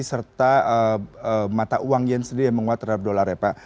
serta mata uang yen sendiri yang menguat terhadap dolar ya pak